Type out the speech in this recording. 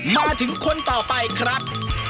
มาถึงคนต่อไปครับ